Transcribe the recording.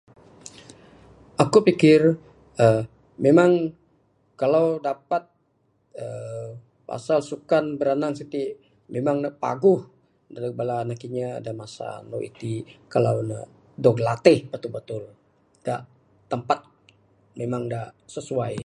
Aku pikir uhh memang kalau dapat uhh pasal sukan biranang siti memang ne paguh dadeg bala anak inya masa anu iti kalau ne dog latih batul batul da tampat da sesuai.